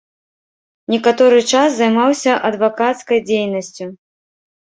Некаторы час займаўся адвакацкай дзейнасцю.